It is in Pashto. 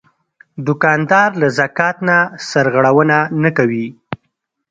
دوکاندار له زکات نه سرغړونه نه کوي.